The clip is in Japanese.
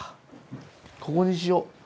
ここにしよう